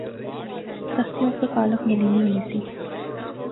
تختیا اُپر کالخ ملی نی ہونی سی